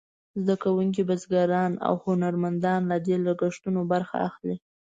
زده کوونکي، بزګران او هنرمندان له دې لګښتونو برخه اخلي.